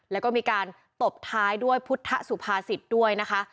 แล้วก็มีการตบท้ายด้วยพุทธสุภาษิตด้วยนะคะ